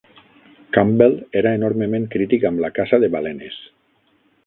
Campbell era enormement crític amb la caça de balenes.